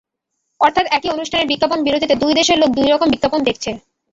অর্থাৎ, একই অনুষ্ঠানের বিজ্ঞাপন বিরতিতে দুই দেশের লোক দুই রকম বিজ্ঞাপন দেখছে।